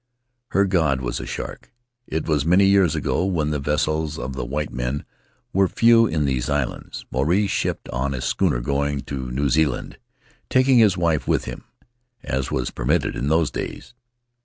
Her god was a shark. It was many years ago, when the vessels of the white men were few in these islands; Maruae shipped on a schooner going to New Zealand, taking his wife with him, as was permitted in those days.